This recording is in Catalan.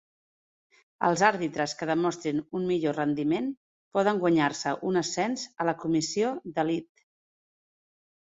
Els àrbitres que demostrin un millor rendiment poden guanyar-se un ascens a la comissió d'elit.